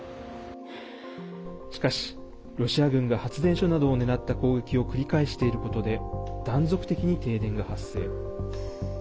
しかし、ロシア軍が発電所などを狙った攻撃を繰り返していることで断続的に停電が発生。